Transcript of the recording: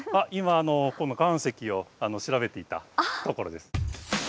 今この岩石を調べていたところです。